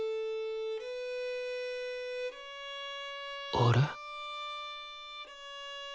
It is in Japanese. あれ？